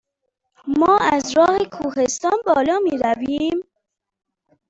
ما از راه کوهستان بالا می رویم؟